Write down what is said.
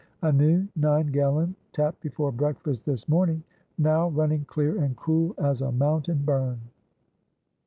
A new nine gallon, tapped before breakfast this morning, now running clear and cool as a mountain burn.